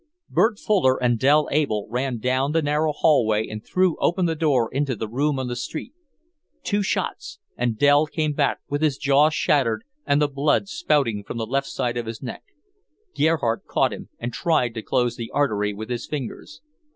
Bert Fuller and Dell Able ran down the narrow hallway and threw open the door into the room on the street. Two shots, and Dell came back with his jaw shattered and the blood spouting from the left side of his neck. Gerhardt caught him, and tried to close the artery with his fingers.